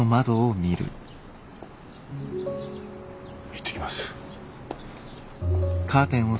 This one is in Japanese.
行ってきます。